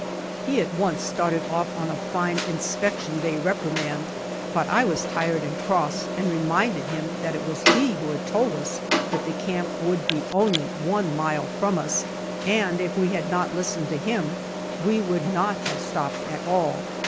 He at once started off on a fine inspection day reprimand, but I was tired and cross and reminded him that it was he who had told us that the camp would be only one mile from us, and if we had not listened to him we would not have stopped at all.